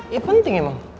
ya penting emang